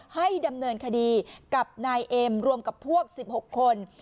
ให้ดำเนินคดีกับนายเอ็มรวมกับพวก๑๖คน